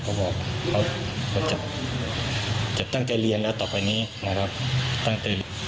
ก็บอกเขาจะตั้งใจเรียนแล้วต่อไปนี้นะครับตั้งแต่